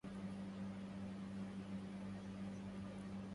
لم أكثر الواشي المقال وزورا